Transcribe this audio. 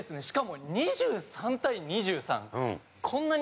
しかも２３対２３。